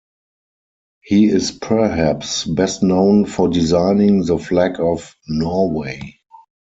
He is perhaps best known for designing the flag of Norway.